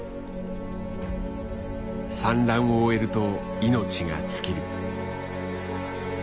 産卵を終えると命が尽きる。